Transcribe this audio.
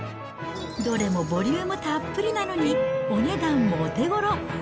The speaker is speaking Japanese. どれもボリュームたっぷりなのにお値段もお手ごろ。